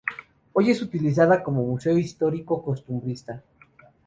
Hoy es utilizada como Museo Histórico Costumbrista.